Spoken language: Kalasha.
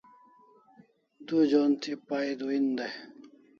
Du jon thi pay duin dai